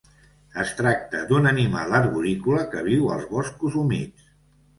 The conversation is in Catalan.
Es tracta d'un animal arborícola que viu als boscos humits.